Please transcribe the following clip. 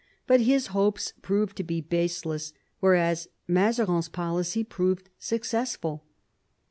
But his hopes proved to be baseless, whereas Mazarin's policy proved successful.